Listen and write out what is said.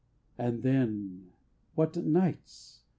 And then, what nights!...